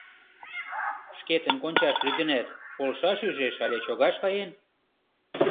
Шкетын кончаш лӱдынат, полшаш ӱжеш але чогаш каен?